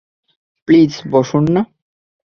Please বসুন না।